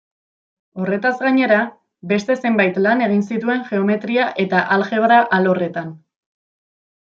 Horretaz gainera, beste zenbait lan egin zituen geometria- eta aljebra-alorretan.